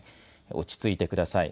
落ち着いてください。